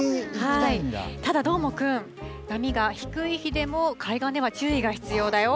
ただどーもくん波が低い日でも海岸では注意が必要だよ。